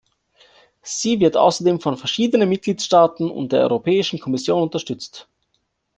Sie wird außerdem von verschiedenen Mitgliedstaaten und der Europäischen Kommission unterstützt.